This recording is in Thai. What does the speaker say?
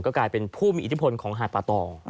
กลายเป็นผู้มีอิทธิพลของหาดป่าตอง